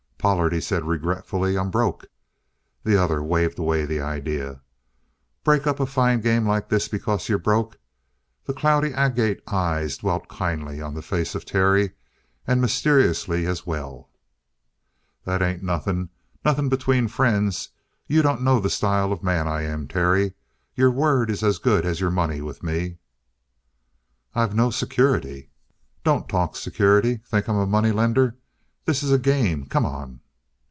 "Pollard," he said regretfully, "I'm broke." The other waved away the idea. "Break up a fine game like this because you're broke?" The cloudy agate eyes dwelt kindly on the face of Terry, and mysteriously as well. "That ain't nothing. Nothing between friends. You don't know the style of a man I am, Terry. Your word is as good as your money with me!" "I've no security " "Don't talk security. Think I'm a moneylender? This is a game. Come on!"